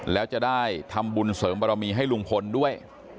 แล้วจะได้ทำบุญเสริมบรมีให้ลุงพลด้วย